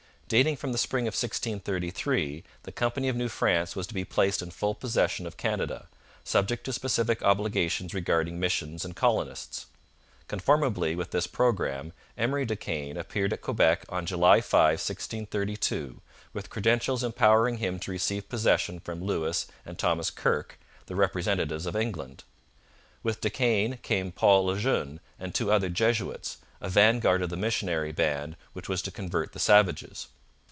Dating from the spring of 1633, the Company of New France was to be placed in full possession of Canada, subject to specific obligations regarding missions and colonists. Conformably with this programme, Emery de Caen appeared at Quebec on July 5, 1632, with credentials empowering him to receive possession from Lewis and Thomas Kirke, the representatives of England. With De Caen came Paul Le Jeune and two other Jesuits, a vanguard of the missionary band which was to convert the savages.